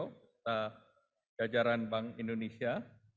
beserta jajaran bank indonesia